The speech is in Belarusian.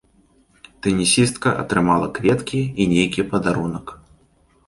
Тэнісістка атрымала кветкі і нейкі падарунак.